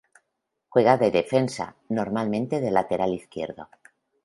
Juega de defensa, normalmente de lateral izquierdo.